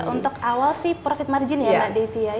untuk awal sih profit margin ya mbak desi ya